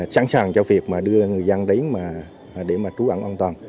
sẵn sàng cho việc mà đưa người dân đến mà để mà trú ẩn an toàn